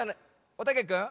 おたけくん？